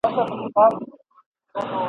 په یوه گوزار یې خوله کړله ورماته !.